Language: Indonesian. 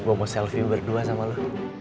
gue mau selfie berdua sama lo